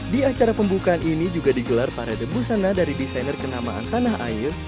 di acara pembukaan ini juga digelar parade busana dari desainer kenamaan tanah air